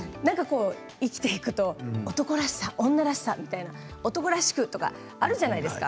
生きていくと、男らしさ女らしさみたいな男らしくとかあるじゃないですか。